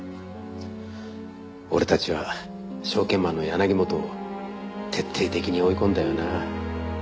俺たちは証券マンの柳本を徹底的に追い込んだよな。